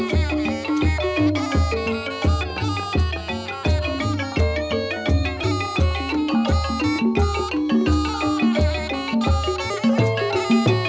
พ่อลูกได้เจอกันแล้ว